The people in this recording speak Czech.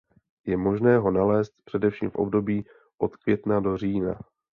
Je možné ho nalézt především v období od května do října.